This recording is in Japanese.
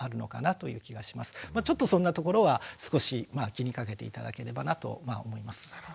ちょっとそんなところは少し気にかけて頂ければなと思います。